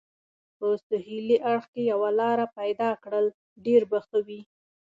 په سهېلي اړخ کې یوه لار پیدا کړل، ډېر به ښه وي.